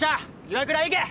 岩倉行け！